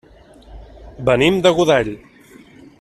Venim de Godall.